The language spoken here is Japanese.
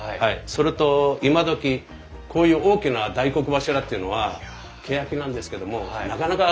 それと今どきこういう大きな大黒柱っていうのはけやきなんですけどもなかなかないんですね。